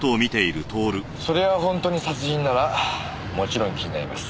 そりゃあ本当に殺人ならもちろん気になります。